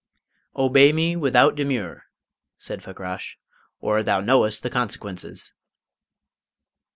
"Obey me without demur," said Fakrash, "or thou knowest the consequences."